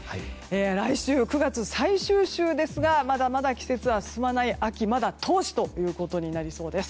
来週９月最終週ですがまだまだ季節は進まない秋はまだ遠しということになりそうです。